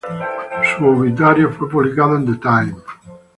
Su obituario fue publicado en "The Times".